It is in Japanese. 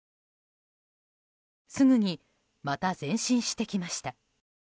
すぐに、また前進してきました。